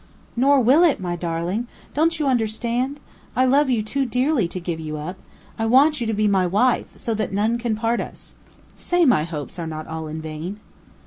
"Nor will it, my darling! Don't you understand? I love you too dearly to give you up; I want you to be my wife, so that none can part us. Say my hopes are not all in vain!"